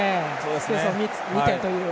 スペースを見てという。